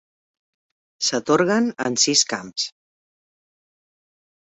S'atorguen en sis camps: